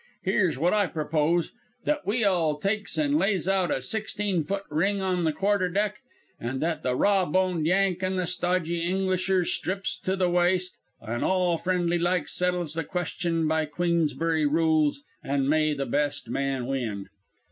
Here's wot I propose that we all takes an' lays out a sixteen foot ring on the quarterdeck, an' that the raw boned Yank and the stodgy Englisher strips to the waist, an' all friendly like, settles the question by Queensbury rules an' may the best man win.'